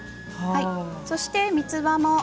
そして、みつばも。